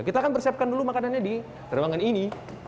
kita akan persiapkan dulu makanannya di terbangan ini